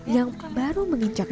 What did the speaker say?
yang baru menginjak